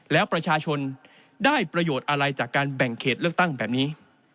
แล้วประชาชนได้ประโยชน์อะไรจากการแบ่งเขตเลือกตั้งแบบนี้